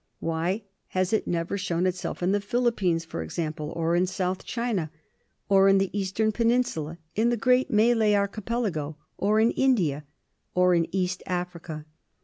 Why has it never shown itself in the Philippines, for example, or in South China, or in the Eastern Peninsula, in the great Malay Archi pelago, or in India, or in East Africa